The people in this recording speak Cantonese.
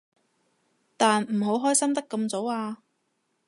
但唔好開心得咁早啊